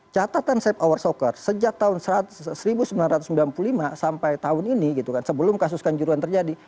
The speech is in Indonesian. catatan safe hour soccer sejak tahun seribu sembilan ratus sembilan puluh lima sampai tahun ini gitu kan sebelum kasus kanjuruan terjadi